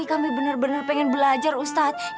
kami bener bener pengen belajar ustadz